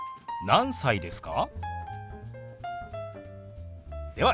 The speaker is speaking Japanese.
何歳ですか？